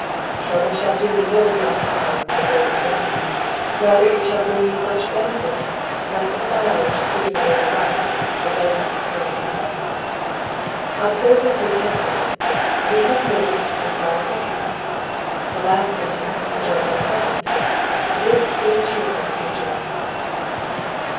Trouble shall do me no real harm when the Lord IS with me, rather it shall bring me much benefit, Like the file which clears away the rust, but dues not destroy Uiemeta,!. Observe the three tenses, we have noticed the sorrowful past, the last sentence was a joyful present, this is a cheerful future.